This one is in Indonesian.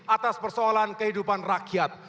atas persoalan kehidupan rakyat